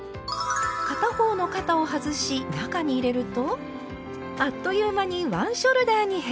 片方の肩を外し中に入れるとあっという間にワンショルダーに変身。